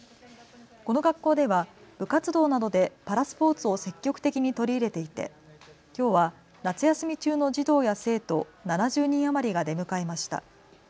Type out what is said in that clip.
この学校では部活動などでパラスポーツを積極的に取り入れていて、きょうは夏休み中の児童や生徒７０人余りが出迎えました。